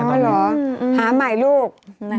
อ๋อเหรอหาใหม่ลูก